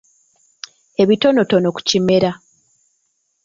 Ebitonotono ku Kimera.